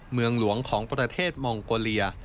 เมืองหลวงของประเทศมองโกเลีย